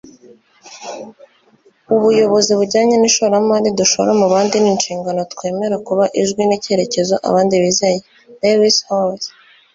ubuyobozi bujyanye n'ishoramari dushora mu bandi n'inshingano twemera kuba ijwi n'icyerekezo abandi bizeye. - lewis howes